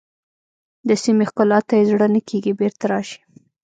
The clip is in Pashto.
د سیمې ښکلا ته یې زړه نه کېږي بېرته راشئ.